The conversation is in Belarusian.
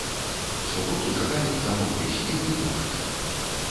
У суботу чакаецца мокры снег і дождж.